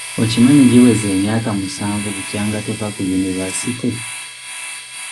Okimanyi giweze emyaka musanvu bukyanga tuva ku yunivaasite?